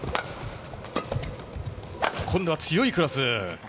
今度は強いロス。